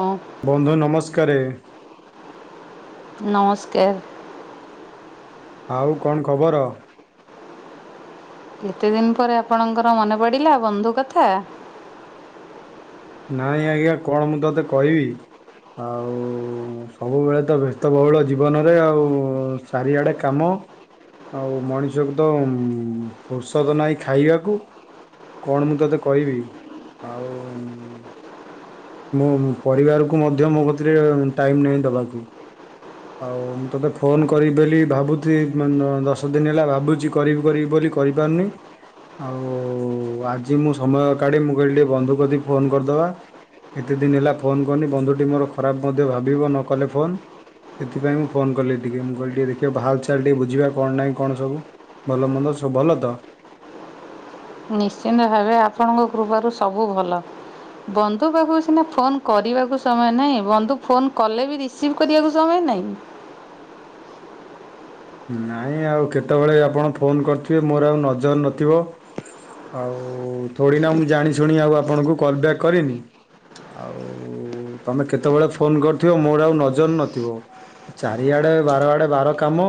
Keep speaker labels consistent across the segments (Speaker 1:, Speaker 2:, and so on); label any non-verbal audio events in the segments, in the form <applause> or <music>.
Speaker 1: ହଁ
Speaker 2: ବନ୍ଧୁ ନମସ୍କାରେ।
Speaker 1: ନମସ୍କାର
Speaker 2: ଆଉ କଣ ଖବର?
Speaker 1: ଏତେ ଦିନ ପରେ ଆପଣଙ୍କର ମନେ ପଡିଲା ବନ୍ଧୁ କଥା?
Speaker 2: ନାଇଁ ଆଜ୍ଞା କଣ ମୁଁ ତତେ କହିବି। ଆଉ ସବୁବେଳେ ତ ବ୍ୟସ୍ତବହୁଳ ଜୀବନରେ ଆଉ ଚାରିଆଡ଼େ କାମ। ଆଉ ମଣିଷକୁ ତ ଫୁର୍ସତ ନାହିଁ ଖାଇବାକୁ। କଣ ମୁଁ ତୋତେ କହିବି ଆଉ ମୋ ପରିବାରକୁ ମଧ୍ୟ ମୋ କତିରେ ଟାଇମ୍ ନାହିଁ ଦବାକୁ। ଆଉ ମୁଁ ତୋତେ ଫୋନ୍ କରିବି ବୋଲି ଭାବୁଛି ଦଶ ଦିନ ହେଲା ଭାବୁଛି କରିବି କରିବି ବୋଲି କରିପାରୁନି। ଆଉ ଆଜି ମୁଁ ସମୟ ଅ କାଢ଼ି ମୁଁ କହିଲି ଟିକେ ବନ୍ଧୁ କତିକି ଫୋନ୍ କରିଦବା। କେତେ ଦିନ ହେଲା ଫୋନ୍ କନି ବନ୍ଧୁଟି ମୋର ଖରାପ୍ ମଧ୍ୟ ଭାବିବ ନ କଲେ ଫୋନ୍। ସେଥିପାଇଁ ମୁଁ ଫୋନ୍ କଲି ଟିକେ ମୁଁ କହିଲି ଦେଖିଆ ଭାଲ ଚାଲ୍ ବୁଝିବା କଣ ନାଁ କଣ ସବୁ। ଭଲ ମନ୍ଦ ସବୁ ଭଲ ତ।
Speaker 1: ନିଶ୍ଚିନ୍ତ ଭାବେ ଆପଣଙ୍କ କୃପାରୁ ସବୁ ଭଲ। ବନ୍ଧୁ ପାଖୁ ସିନା ଫୋନ୍ କରିବାକୁ ସମୟ ନାହିଁ ବନ୍ଧୁ ଫୋନ୍ କଲେ ବି ରି ରିସିଭ୍ କରିବାକୁ ସମୟ ନାଇଁ।
Speaker 2: ନାଇଁ ଆଉ କେତେବେଳେ ଆପଣ ଫୋନ୍ କରିଥିବେ ମୋର ଆଉ ନଜର ନଥିବ। ଆଉ ଥୋଡ଼ି ନାଁ ମୁଁ ଜାଣିଶୁଣି ଆଉ ଆପଣଙ୍କୁ କଲ୍ ବ୍ୟାକ୍ କରିନି। ଆଉ ତମେ କେତେବେଳେ ଫୋନ୍ କରିଥିବ ମୋର ଆଉ ନଜର ନଥିବ। ଚାରିଆଡେ ବାର ଆଡେ ବାର କାମ।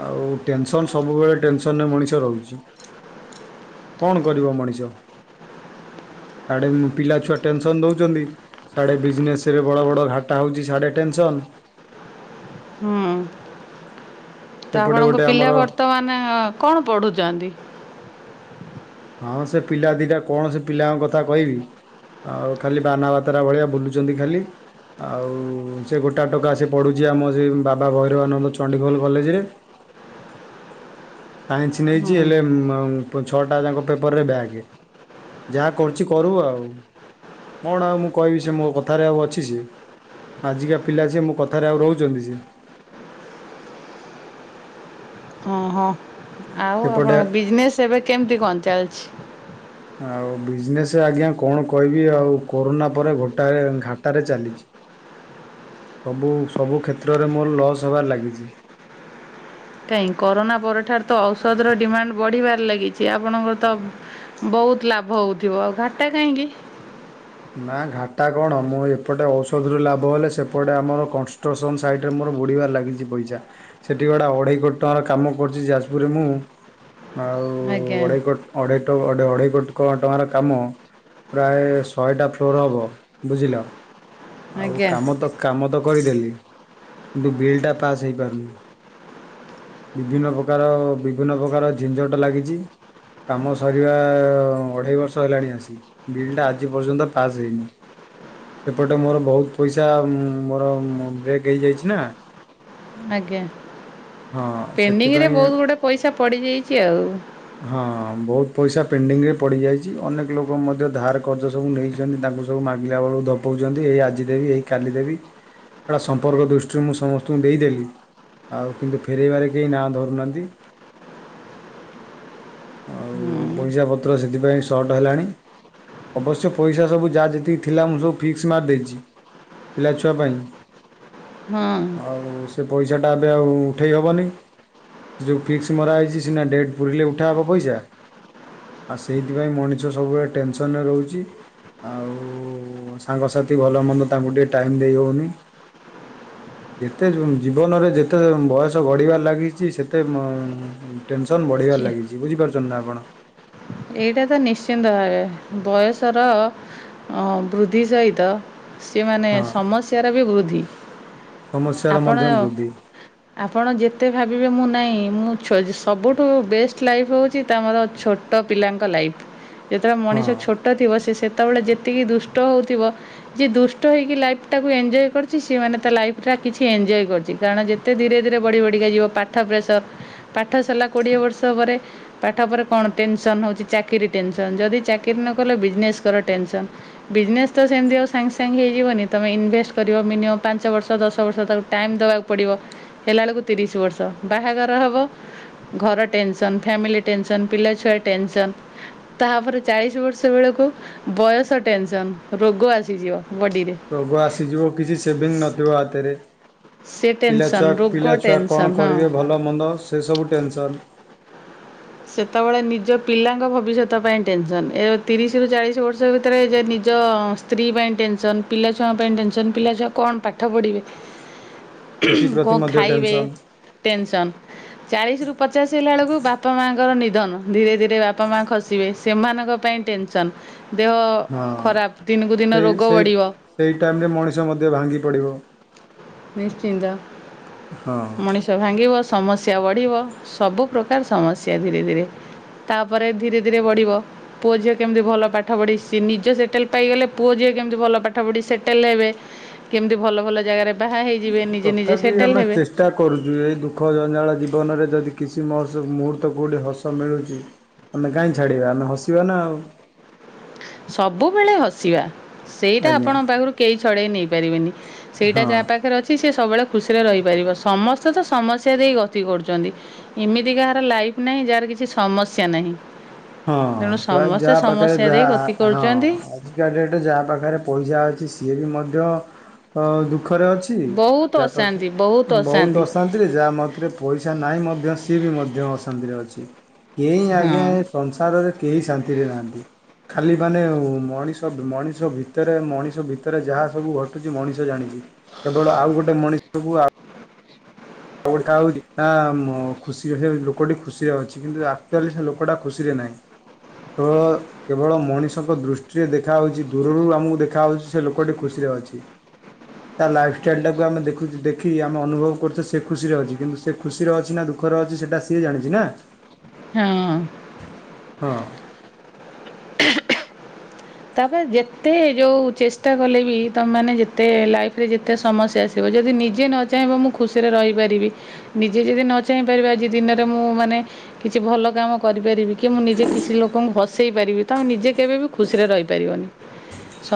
Speaker 2: ଆଉ ଟେନସନ୍ ସବୁବେଳେ ଟେନସନ୍ ରେ ମଣିଷ ରହୁଛି। କଣ କରିବ ମଣିଷ? ଆଡେ ପିଲା ଛୁଆ ଟେନସନ୍ ଦଉଛନ୍ତି। ସାଡେ ବିଜନେସ୍ ରେ ବଡ ବଡ ଘାଟା ହଉଛି ସାେଆଡେ ଟେନସନ୍।
Speaker 1: ହୁଁ ତ
Speaker 2: ସେପଟେ
Speaker 1: ଆପଣଙ୍କ
Speaker 2: ଗୋଟେ ଆମର
Speaker 1: ପିଲା ବର୍ତ୍ତମାନ କଣ ପଢୁଚନ୍ତି?
Speaker 2: ହଁ ସେ ପିଲା ଦିଡା କୌଣସି ପିଲାଙ୍କ କଥା କହିବି। ଆଉ ଖାଲି ବାନା ବାତାରା ଭଳିଆ ବୁଲୁଛନ୍ତି ଖାଲି। ଆଉ ସେ ଗୋଟା ଟୋକି ସେ ପଢୁଛି ଆମ ସେ ବାବା ଭୈରବାନନ୍ଦ ଚଣ୍ଡିଗୋଲ କଲେଜ୍ ରେ। ସାଇନ୍ସ ନେଇଚି
Speaker 1: ହୁଁ
Speaker 2: ହେଲେ ଛଅଟା ଯାଙ୍କ ପେପରରେ ବ୍ୟାଗେ। ଯାହା କରୁଚି କରୁ ଆଉ କଣ ଆଉ ମୁଁ କହିବି ସେ ମୋ କଥାରେ ଆଉ ଅଛି ସିଏ। ଆଜିକା ପିଲା ସିଏ ମୋ କଥାରେ ଆଉ ରହୁଚନ୍ତି ସିଏ।
Speaker 1: ହଁ ହଁ ଆଉ
Speaker 2: ସେପଟେ
Speaker 1: ଆପଣଙ୍କ ବିଜିନେସ୍ ଏବେ କେମିତି କଣ ଚାଲଛି?
Speaker 2: ଆଉ ବିଜନେସ୍ ଆଜ୍ଞା କଣ କହିବି ଆଉ କୋରୋନା ପରେ ଗୋଟାଏ ଘାଟାରେ ଚାଲିଛି।
Speaker 1: ହ
Speaker 2: ସବୁ ସବୁ କ୍ଷେତ୍ରରେ ମୋର ଲସ୍ ହେବାରେ ଲାଗିଛି।
Speaker 1: କାହିଁ କରୋନା ପରଠାରେ ତ ଔଷଧର ଡିମାଣ୍ଡ ବଢିବାରେ ଲାଗିଛି ଆପଣଙ୍କର ତ ବହୁତ୍ ଲାଭ ହଉଥିବ ଆଉ ଘାଟା କାହିଁକି?
Speaker 2: ନାଁ ଡାଟା କଣ ମୁଁ ଏପଟେ ଔଷଧରୁ ଲାଭ ହେଲେ ସେପଟେ ଆମର କଷ୍ଟେର୍ସନ୍ ସାଇଟ୍ ରେ ମୋର ବୁଡ଼ିବାରେ ଲାଗିଚି ପଇସା। ସେଠି ଗଡା ଅଢ଼େଇ କୋଟି ଟଙ୍କାର କାମ କରୁଚି ଯାଜପୁରରେ ମୁଁ ଆଉ
Speaker 1: ଆଜ୍ଞା
Speaker 2: ଅଢେଇ କୋ ଅଢେଇ ଅଢେଇ କୋଟି ଟଙ୍କାର କାମ ପ୍ରାଏ ଶହେଟା ଫ୍ଲୋର୍ ହବ ବୁଝିଲ ଆଉ
Speaker 1: ଆଜ୍ଞା
Speaker 2: କାମ ତ କାମ ତ କରିଦେଲି କିନ୍ତୁ ବିଲ୍ ଟା ପାସ୍ ହେଇପାରୁନି। ବିଭିନ୍ନ ପ୍ରକାର ବିଭିନ୍ନ ପ୍ରକାର ଝିଝଟ ଲାଗିଚି। କାମ ସରିବା ଅଢେଇ ବର୍ଷ ହେଲାଣି ଆସି ବିଲ୍ ଟା ଆଜି ପର୍ଯ୍ୟନ୍ତ ପାସ୍ ହେଇନି। ସେପଟେ ମୋର ବହୁତ୍ ପଇସା ମୋର ବ୍ରେକ୍ ହେଇଯାଇଛି ନାଁ।
Speaker 1: ଆଜ୍ଞା
Speaker 2: ହଁ
Speaker 1: ପେଣ୍ଡିଙ୍ଗ୍ ରେ
Speaker 2: ସେଥିପାଇଁ
Speaker 1: ବହୁତ୍ ଗୁଡ଼େ ପଇସା ପଡ଼ିଯାଇଛି ଆଉ।
Speaker 2: ହଁ ବହୁତ୍ ପଇସା ପେଣ୍ଡିଙ୍ଗରେ ପଡି ଯାଇଛି ଅନେକ ଲୋକ ମଧ୍ୟ ଧାର କର୍ଜ ସବୁ ନେଇ ତାଙ୍କୁ ସବୁ ମାଗିଲା ବେଳକୁ ଧପଉଛନ୍ତି ଏଇ ଆଜି ଦେବି ଏଇ କାଲି ଦେବି ଏଟା ସମ୍ପର୍କ ଦୃଷ୍ଟିରୁ ମୁଁ ସମସ୍ତଙ୍କୁ ଦେଇଦେଲି। ଆଉ କିନ୍ତୁ ଫେରାଇବାରେ କେହି ନାଁ ଧରୁନାହାନ୍ତି। ଆଉ
Speaker 1: ହଁ
Speaker 2: ପଇସା ପତ୍ର ସେଥିପାଇଁ ସର୍ଟ ହେଲାଣି। ଅବଶ୍ୟ ପଇସା ସବୁ ଯାହା ଯେତିକି ଥିଲା ମୁଁ ସବୁ ଫିକ୍ସ ମାର୍ ଦେଇଛି। ପିଲାଛୁଆ ପାଇଁ।
Speaker 1: ହଁ
Speaker 2: ଆଉ ସେ ପଇସାଟା ଏବେ ଆଉ ଉଠେଇ ହେବନି। ଯୋଉ ଫିକ୍ସ ମରା ହେଇଛି ସିନା ଡେଟ୍ ପୁରିଲେ ଉଠାହବ ପଇସା। ଆଉ ସେଇଥିପାଇଁ ମଣିଷ ସବୁବେଳେ ଟେନସନ ରେ ରହୁଛି। ଆଉ ସାଙ୍ଗସାଥି ଭଲ ମନ୍ଦ ତାଙ୍କୁ ଟିକିେ ଟାଇମ୍ ଦେଇ ହଉନି ଯେତେ ଜୀବନରେ ଯେତେ ବୟସ ବଢ଼ିବାରେ ଲାଗିଛି ସେତେ ମ ଟେନସନ୍ ବଢ଼ିବାରେ
Speaker 1: ଚି-
Speaker 2: ଲାଗିଛି ବୁଝିପାରୁଛନ୍ତି ନା ଆପଣ
Speaker 1: ଏଇଟା ତ ନିଶ୍ଚିନ୍ତ ଭାବେ ବୟସର ବୃଦ୍ଧି ସହିତ ସିଏ ମାନେ
Speaker 2: ହଁ
Speaker 1: ସମସ୍ୟାର ବି ବୃଦ୍ଧି
Speaker 2: ସମସ୍ୟାର ମଧ୍ୟ
Speaker 1: ଆପଣ
Speaker 2: ବୃଦ୍ଧି
Speaker 1: ଆପଣ ଯେତେ ଭାବିବେ ମୁଁ ନାହିଁ ମୁଁ ସବୁଠୁ ବେଷ୍ଟ ଲାଇଫ୍ ହେଉଛି ତାମର ଛୋ ଛୋଟ ପିଲାଙ୍କ ଲାଇଫ୍ ଯେତେବେଳେ ମଣିଷ
Speaker 2: ହଁ।
Speaker 1: ଛୋଟ ଥିବ ସେ ସେତେବେଳେ ଯେତିକି ଦୁଷ୍ଟ ହେଉଥିବ। ଯିଏ ଦୁଷ୍ଟ ହେଇକି ଲାଇଫ ଟାକୁ ଏଜୟ କରିଛି ସେମାନେ ତା ଲାଇଫ ଟ କିଛି ଏଞ୍ଜୟ୍ କରି କାରଣ ଏତେ ଧୀରେ ଧୀରେ ବଢ଼ି ବଢ଼ିକା ଯିବ ପାଠ ପ୍ରେସର ପାଠ ସରିଲା କୋଡିଏ ବର୍ଷ ପରେ ପାଠ ପରେ କଣ? ଟେନସନ୍ ହେଉଛି ଚାକିରି ଟେନସନ୍ ଯଦି ଚାକିରି ନ କଲେ ବିଜନେସ୍ କର ଟେନସନ୍। ବିଜନେସ୍ ତ ସେମିତି ଆଉ ସାଙ୍ଗେ ସାଙ୍ଗେ ହେଇଯିବନି ତୁମେ ଇନଭେଷ୍ଟ କରିବ ମିନିମମ୍ ପାଞ୍ଚ ବର୍ଷ ଦଶ ବର୍ଷ ତାକୁ ଟାଇମ୍ ଦେବାକୁ ପଡିବ ହେଲା ବେଳକୁ ତିରିଶ ବର୍ଷ ବାହାଘର ହବ ଘର ଟେନସନ ଫ୍ୟାମିଲି ଟେନସନ୍ ପିଲାଛୁଆ ଟେନସନ୍। ତାପରେ ଚାଳିଶ ବର୍ଷ ବେଳକୁ ବୟସ ଟେନସନ ରୋଗ ଆସିଯିବ ବଡିରେ।
Speaker 2: ରୋଗ ଆସିଯିବ କିଛି ସେଭିଙ୍ଗ ନଥିବ ହାତରେ।
Speaker 1: ସେ ଟେନସନ୍
Speaker 2: ପିଲାଛୁଆ
Speaker 1: ରୋଗ
Speaker 2: ପିଲାଛୁଆ କଣ
Speaker 1: ଟେନସନ୍ ହଁ
Speaker 2: କରିବେ ଭଲ ମନ୍ଦ ସେ ସବୁ ଟେନସନ।
Speaker 1: ସେତେବେଳେ ନିଜ ପିଲାଙ୍କ ଭବିଷ୍ୟତ ପାଇଁ ଟେନସନ୍ ଏ ତିରିଶରୁୁ ଚାଳିଶ ବର୍ଷ ଭିତରେ ଯେ ନିଜ ସ୍ତ୍ରୀ ପାଇଁ ଟେନସନ୍ ପିଲାଛୁଆ ପାଇଁ ଟେନସନ୍ ପିଲାଛୁଆ କଣ ପାଠ ପଢ଼ିବେ
Speaker 2: ସେଥିପ୍ରତି
Speaker 1: କଣ
Speaker 2: ମଧ୍ୟ
Speaker 1: ଖାଇବେ
Speaker 2: ଟେନସନ୍
Speaker 1: ଟେନସନ ଚାଳିଶ ରୁ ପଚାଶ ହେଲା ବେଳକୁ ବା ଙ୍କ ନିଧନ ଧୀରେ ଧୀରେ ବାପା ମା ଖସିବେ ସେମାନଙ୍କ ପାଇଁ ଟେନସନ। ଦେହ
Speaker 2: ହଁ
Speaker 1: ଖରାପ ଦିନକୁ ଦିନ
Speaker 2: ସେଇ
Speaker 1: ରୋଗ
Speaker 2: ସେଇ
Speaker 1: ବଢ଼ିବ।
Speaker 2: ସେଇ ଟାଇମରେ ମଣିଷ ମଧ୍ୟ ଭାଙ୍ଗି ପଡ଼ିବ।
Speaker 1: ନିଶ୍ଚିନ୍ତ
Speaker 2: ହଁ।
Speaker 1: ମଣିଷ ଗଛ ଭାଙ୍ଗିବ ସମସ୍ୟା ବଢ଼ିବ ସବୁ ପ୍ରକାର ସମସ୍ୟା ଧୀରେ ଧୀରେ ତାପରେ ଧୀରେ ଧୀରେ ବଢ଼ିବ। ପୁଅ ଝିଅ କେମିତି ଭଲ ପାଠ ପଢ଼ି ସିଏ ନିଜ ସେଟେଲ ପାଇଗଲେ ପୁଅ ଝିଅ କେମିତି ଭଲ ପାଠ ପଢ଼ି ସେଟେଲ ହେବେ। କେମିତି ଭଲ ଭଲ ଜାଗାରେ ବାହା ହେଇଯିବେ ନିଜେ ନିଜେ
Speaker 2: ତଥାପି
Speaker 1: ସେଟେଲ
Speaker 2: ଆମେ
Speaker 1: ହେବେ।
Speaker 2: ଚେଷ୍ଟା କରୁଛୁ ଏହିଇ ଦୁଃଖ ଜଞ୍ଜାଳ ଜୀବନରେ ଯଦି କିଛି ମୁହୂର୍ତ୍ତକୁ କୋଉଠି ହସ ମିଳୁଛି ଆମେ କାହିଁ ଛାଡ଼ିବା ଆମେ ହସିବା ନା ଆଉ।
Speaker 1: ସବୁବେଳେ ହସିବା ସେଇଟା
Speaker 2: ଆଜ୍ଞା
Speaker 1: ଆପଣଙ୍କ ପାଖରୁ କେହି ଛଡ଼େଇ ନେଇପାରିବେନି। ସେଇଟା
Speaker 2: ହଁ।
Speaker 1: ଯାହା ପାଖରେ ଅଛି ସେ ସବୁବେଳେ ଖୁସିରେ ରହିପାରିବ ସମସ୍ତେ ତ ସମସ୍ୟା ଦେଇ ଗତି କରୁଛନ୍ତି। ଏମିତି କାହାର ଲାଇଫ ନାହିଁ ଯାହାର କିଛି ସମସ୍ୟା ନାହିଁ।
Speaker 2: ହଁ
Speaker 1: ତେଣୁ
Speaker 2: ପ୍ରାୟ
Speaker 1: ସମସ୍ତେ
Speaker 2: ଯାହା ପାଖରେ
Speaker 1: ସମସ୍ୟା ଦେଇ ଗତି
Speaker 2: ଯାହା
Speaker 1: କରୁଛନ୍ତି
Speaker 2: ହଁ ଆଜିକା ଡେଟରେ ଯାହା ପାଖରେ ପଇସା ଅଛି ସିଏ ବି ମଧ୍ୟ ଅ ଦୁଃଖରେ ଅଛି। ଯା ପାଖେ ବହୁତ ଅଶାନ୍ତି ରେ ଯାହା ମତରେ ପଇସା ନାହିଁ ମଧ୍ୟ ସିଏ ବି ମଧ୍ୟ ଅଶାନ୍ତିରେ ଅଛି କେହି ଆଜ୍ଞା।
Speaker 1: ହଁ
Speaker 2: ସଂସାରରେ କେହି ଶାନ୍ତିରେ ନାହାନ୍ତି। ଖାଲି ମାନେ ମଣିଷ ମଣିଷ ଭିତରେ ମଣିଷ ଭିତରେ ଯାହା ସବୁ ଘଟୁଛି ମଣିଷ ଜାଣିଛି। କେବଳ ଆଉ ଗୋଟେ ମଣିଷକୁ ଆଉ ଖୁସିରେ ଲୋକଟି ଖୁସିରେ ଅଛି କିନ୍ତୁ ଆକଚୁଆଲି ଲୋକଟା ଖୁସିରେ ନାହିଁ। ହଁ। କେବଳ ମଣିଷଙ୍କ ଦୃଷ୍ଟିରେ ଦେଖାହେଉଛି ଦୂରରୁ ଆମକୁ ଦେଖାହେଉଛି ସେ ଲୋକଟି ଖୁସିରେ ଅଛି। ତା ଲାଇଫଷ୍ଟାଇଲ୍ ଟାକୁ ଆମେ ଦେଖୁଛେ ଦେଖିମେ ଅନୁଭବ କରୁଛେ ସେ ଖୁସିରେ ଅଛି କିନ୍ତୁ ସେ ଖୁସିର ଅଛି ନା ଦୁଃଖର ଅଛି ସେଟା ସିଏ ଜାଣିଛି ନା?
Speaker 1: ହଁ।
Speaker 2: ହଁ।
Speaker 1: <unintelligible> ତାପରେ ଯେତେ ଯୋଉ ଚେଷ୍ଟା କଲେ ବି ତମମାନେ ଯେତେ ଲାଇଫରେ ଯେତେ ସମସ୍ୟା ସେ ଯଦି ନିଜେ ନ ଚାହିଁବ ମୁଁ ଖୁସିରେ ରହିପାରିବି। ନିଜେ ଯଦି ନ ଚାହିଁପାରିବା ଆଜି ଦିନରେ ମୁଁ ମାନେ କିଛି ଭଲ କାମ କରିପାରିବି କି ମୁଁ ନିଜେ କିଛି ଲୋକଙ୍କୁ ହସେଇ ପାରିବି ତ ମୁ ନିଜେ କେବେ ବିି ଖୁସି ରେ ରହିପାରିବନି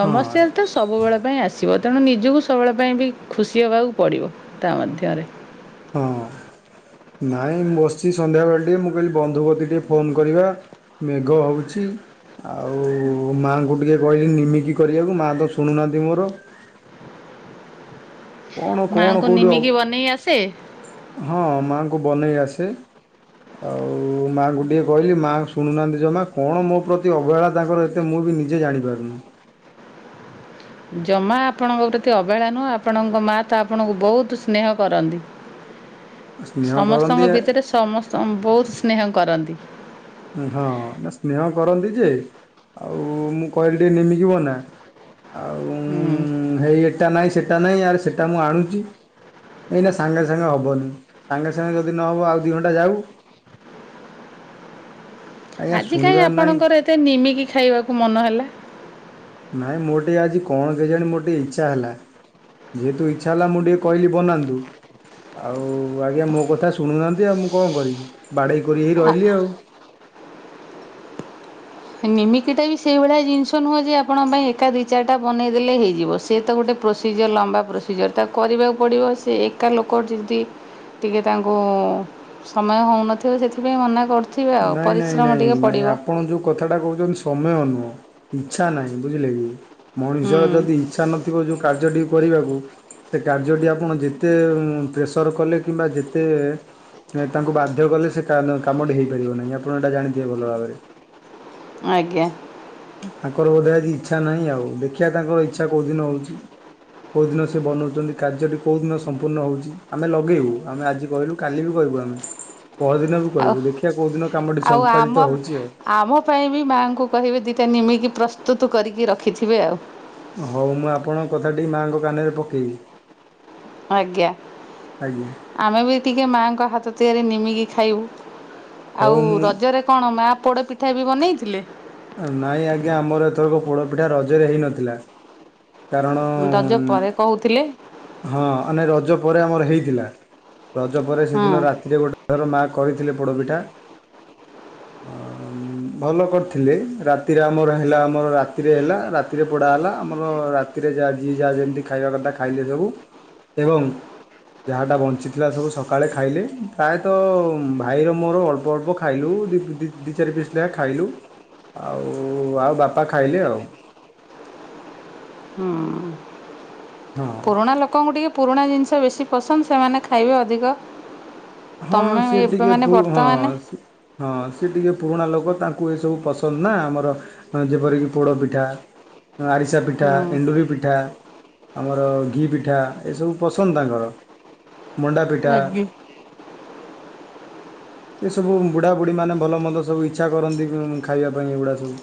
Speaker 2: ହଁ
Speaker 1: ତ ସବୁବେଳେ ପାଇଁ ଆସିବ ତେଣୁ ନିଜକୁ ସବୁବେଳେ ପାଇଁ ବି ଖୁସି ହେବାକୁ ପଡ଼ିବ ତା ମଧ୍ୟରେ
Speaker 2: ହଁ ନାଇଁ ମୁଁ ବସିଛି ସନ୍ଧ୍ୟାବେଳେ ଟିକେ ମୁଁ କହିଲି ବନ୍ଧୁ କତିକି ଟିକେ ଫୋନ କରିବା। ମେଘ ହଉଛି। ଆଉ ମାଆଙ୍କୁ ଟିକେ କହିଲି ନିମିକି କରିବାକୁ ମାଆ ତ ଶୁଣୁନାହାନ୍ତି ମୋର। କଣ କଣ
Speaker 1: ମାଆଙ୍କୁ
Speaker 2: କହୁଛ
Speaker 1: ନିମିକି ବନେଇ ଆସେ
Speaker 2: ହଁ ମାଆଙ୍କୁ ବନେଇ ଆସେ ଆଉ ମାଆଙ୍କୁ ଟିିକିଏ କହିଲି ମାଆ ଶୁଣୁନାହାନ୍ତି ଜମା କଣ ମୋ ପ୍ରତି ଅବହେଳା ତାଙ୍କର ଏ ମୁଁ ବି ନିଜେ ଜାଣିପାରୁନି।
Speaker 1: ଜମା ଆପଣଙ୍କ ପ୍ରତି ଅବହେଳା ନୁହଁ ଆପଣଙ୍କ ମାଆ ତ ଆପଣଙ୍କୁ ବହୁତ ସ୍ନେହ କରନ୍ତି।
Speaker 2: ସ୍ନେହ କରନ୍ତି
Speaker 1: ସମସ୍ତଙ୍କ ଭିତରେ ସମସ୍ତ ବହୁତ ସ୍ନେହ କରନ୍ତି।
Speaker 2: ହଁ ନା ସ୍ନେହ କରନ୍ତି ଯେ ଆଉ ମୁଁ କହିଲି ଟିକେ ନିମିିକି ବନା। ଆଉ
Speaker 1: ହୁଁ।
Speaker 2: ହେଇ ଏଟା ନାହିଁ ସେଟା ନାହିଁ ଆରେ ସେଇଟା ମୁଁ ଆଣୁଛି। ନାଇଁ ନା ସାଙ୍ଗେ ସାଙ୍ଗେ ହେବନି ସାଙ୍ଗେ ସାଙ୍ଗେ ଯଦି ନହେବ ଆଉ ଦୁଇ ଘଣ୍ଟା ଯାଉ ଆଜ୍ଞା
Speaker 1: ଆଜି କାହିଁ
Speaker 2: ଶୁଣିବାର ନାହିଁ
Speaker 1: ଆପଣଙ୍କର ଏତେ ନିମିକି ଖାଇବାକୁ ମନ ହେଲା?
Speaker 2: ନାଇଁ ମୋର ଟିକେ ଆଜି କଣ କେଜାଣି ମୋର ଟିକେ ଇଚ୍ଛା ହେଲା। ଯେହେତୁ ଇଚ୍ଛା ହେଲା ମୁଁ ଟିକେ କହିଲି ବନାନ୍ତୁ। ଆଉ ଆଜ୍ଞା ମୋ କଥା ଶୁଣୁନାହାନ୍ତି ଆଉ ମୁଁ କଣ କରିବି ବାଡେଇ କରି ହେଇ
Speaker 1: ଆ
Speaker 2: ରହିଲି ଆଉ
Speaker 1: ନିମିକିଟା ବି ସେଇଭଳିଆ ଜିନିଷ ନୁହଁ ଯେ ଆପଣ ପାଇଁ ଏକା ଦୁଇ ଚାରଟା ବନେଇ ଦେଲେ ହେଇଯିବ ସିଏ ତ ଗୋଟେ ପ୍ରୋସିଜର୍ ଲମ୍ବା ପ୍ରୋସିଜର୍ ତାକୁ କରିବାକୁ ପଡ଼ିବ ସେ ଏକା ଲୋକ ଯଦି ଟିକେ ତାଙ୍କୁ ସମୟ ହେଉନଥିବ ସେଥିପାଇଁ ମନା କରୁ ଥିବେ ଆଉ
Speaker 2: ନାଇଁ ନାଇଁ
Speaker 1: ପରିଶ୍ରମ
Speaker 2: ନାଇଁ
Speaker 1: ଟିକେ
Speaker 2: ନାଇଁ
Speaker 1: ପଡ଼ିବ।
Speaker 2: ଆପଣ ଯେଉଁ କଥାଟା କହୁଛନ୍ତି ସମୟ ନୁହଁ ଇଚ୍ଛା ନାହିଁ ବୁଝିଲେ କି?
Speaker 1: ହୁଁ
Speaker 2: ମଣିଷର ଯଦି ଇଚ୍ଛା ନଥିବ ଯୋଉ କାର୍ଯ୍ୟଟିିକୁ କରିବାକୁ। ସେ କାର୍ଯ୍ୟଟି ଆପଣ ଯେତେ ପ୍ରେସର କଲେ କିମ୍ବା ଯେତେ ତାଙ୍କୁ ବାଧ୍ୟ କଲେ ସେ କାମଟି ହେଇପାରିବ ନାହିଁ ଆପଣ ଏଇଟା ଜାଣିଥିବେ ଭଲ ଭାବରେ।
Speaker 1: ଆଜ୍ଞା।
Speaker 2: ତାଙ୍କର ବୋଧେ ଆଜି ଇଚ୍ଛା ନାହିଁ ଆଉ ଦେଖିବା ତାଙ୍କର ଇଚ୍ଛା କୋଉଦିନ ହଉଛି? କୋଉଦିନ ସିଏ ବନାଉଛନ୍ତି କାର୍ଯ୍ୟଟି କୋଉ ଦିନ ସମ୍ପୂର୍ଣ୍ଣ ହେଉଛି ଆମେ ଲଗେଇବୁ ଆମେ ଆଜି କହିଲୁ? କାଲି ବି କହିବୁ ଆମେ ପହର ଦିନ ବି
Speaker 1: ଆଉ
Speaker 2: କହିବୁ ଦେଖିବା କୋଉଦିନ କାମଟି
Speaker 1: ଆଉ ଆମ
Speaker 2: ସମ୍ପାଦିତ ହଉଛି ଆଉ
Speaker 1: ଆମ ପାଇଁ ବି ମାଆଙ୍କୁ କହିବେ ଦୁଇଟା ନିମିକି ପ୍ରସ୍ତୁତ କରିକି ରଖିଥିବେ ଆଉ?
Speaker 2: ହଉ ମୁଁ ଆପଣଙ୍କ କଥାଟି ମାଆଙ୍କ କାନରେ ପକେଇବି।
Speaker 1: ଆଜ୍ଞା।
Speaker 2: ଆଜ୍ଞା
Speaker 1: ଆମେ ବି ଟିକିଏ ମାଆଙ୍କ ହାତ ତିଆରି ନିମିକି ଖାଇବୁ।
Speaker 2: ହଉ
Speaker 1: ଆଉ
Speaker 2: ମୁଁ
Speaker 1: ରଜରେ କଣ ମା ପୋଡ ପିଠା ବି ବନେଇଥିଲେ?
Speaker 2: ନାଇଁ ଆଜ୍ଞା ଆମର ଏଥର ପୋଡ ପିଠା ରଜରେ ହେଇନଥିଲା। କାରଣ
Speaker 1: ରଜ ପରେ କହୁଥିଲେ?
Speaker 2: ହଁ ନେ ରଜ ପରେ ଆମର ହେଇଥିଲା ରଜ ପରେ
Speaker 1: ହଁ।
Speaker 2: ସେଦିନ ରାତିରେ ଗୋଟେ ଏଥର ମାଆ କହିଥିଲେ ପୋଡ଼ପିଠା
Speaker 1: <inaudible>
Speaker 2: ଭଲ କରିଥିଲେ ରାତିରେ ଆମର ହେଲା ଆମର ରାତିରେ ହେଲା ରାତିରେ ପୋଡ଼ା ହେଲା ଆମର ରାରେ ଯାହା ଯି ଯାହା ଯେମତି ଖାଇବା କଥା ଖାଇଲେ ସବୁ ଏବଂ ଯାହାଟା ବଞ୍ଚିଥିଲା ସବୁ ସକାଳେ ଖାଇଲେ ପ୍ରାୟତଃ ଭାଇର ମୋର ଅଳ୍ପ ଅଳ୍ପ ଖା ଖାଇଲୁ ଦୁଇ ଚାରି ପିସ୍ ଲେଖା ଖାଇଲୁ ଆଉ ଆଉ ବାପା ଖାଇଲେ ଆଉ।
Speaker 1: ହୁଁ
Speaker 2: ହଁ
Speaker 1: ପୁରୁଣା ଲୋକଙ୍କୁ ଟିକେ ପୁରୁଣା ଜିନିଷ ବେଶୀ ପସନ୍ଦ ସେମାନେ ଖାଇବେ ଅଧିକ।
Speaker 2: ହଁ
Speaker 1: ତମେ
Speaker 2: ସିଏ
Speaker 1: ଏବେ
Speaker 2: ଟିକେ
Speaker 1: ମାନେ
Speaker 2: ପୁ ହଁ।
Speaker 1: ବର୍ତ୍ତମାନେ
Speaker 2: ହଁ ସି ଟିକେ ପୁରୁଣା ଲୋକ ତାଙ୍କୁ ଏସବୁ ପସନ୍ଦ ନା ଆମର ଯେପରିକି ପୋଡ଼ ପିଠା ଆରିସା ପିଠା
Speaker 1: ହୁଁ।
Speaker 2: ଏଣ୍ଡୁରି ପିଠା ଆମର ଘି ପିଠା ଏସବୁ ପସନ୍ଦ ତାଙ୍କର ମଣ୍ଡା ପିଠା।
Speaker 1: ଆଜ୍ଞା।
Speaker 2: ଏସବୁ ବୁଢ଼ାବୁଢ଼ୀମାନେ ଭଲ ମନ୍ଦ ସବୁ ଇଚ୍ଛା କରନ୍ତି ଖାଇବା ପାଇଁ ଏଗୁଢଡ଼ା ସବୁ।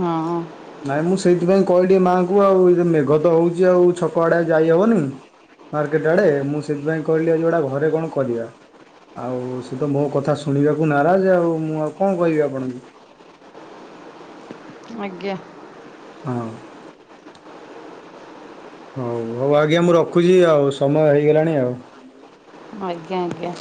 Speaker 1: ହଁ ଅ
Speaker 2: ନାଇଁ ମୁଁ ସେଇଥିପାଇଁ କହିଲି ମାଆଙ୍କୁ ଆଉ ଏ ମେଘ ତ ହଉଛି ଆଉ ଛକ ଆଡେ ଯାଇହବନି। ମାର୍କେଟ ଆଡେ ମୁଁ ସେଥିପାଇଁ କହିଲି ଆଜି ଗୋଟେ ଘରେ କଣ କରିବା ଆଉ ସେତ ମୋକଥା ଶୁଣିବାକୁ ନାରଜେ ଆଉ ମୁଁ ଆଉ କଣ କହିବି ଆପଣଙ୍କୁ?
Speaker 1: ଆଜ୍ଞା।
Speaker 2: ହଁ। ହଉ ହଉ ଆଜ୍ଞା ମୁଁ ରଖୁଛି ଆଉ ସମୟ ହେଇଗଲାଣି ଆଉ।
Speaker 1: ଆଜ୍ଞା ଆଜ୍ଞା।